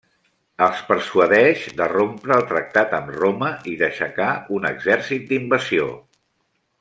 Els persuadeix de rompre el tractat amb Roma i d'aixecar un exèrcit d'invasió.